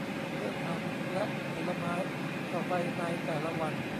เพิ่มผักและผลไม้เข้าไปในแต่ละวัน